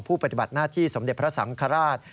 ปฏิบัติหน้าที่สมเด็จพระสังฆราช